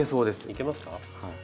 いけますか？